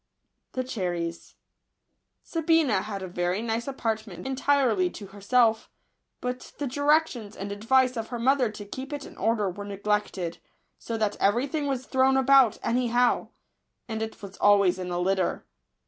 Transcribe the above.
s IJj^ABINA had a very nice apartment entirely to herself ; but the directions and advice of her mother to keep it in order were neglected, so that every thing was thrown about any how, and it was always in a litter.